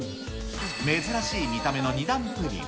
珍しい見た目の２段プリン。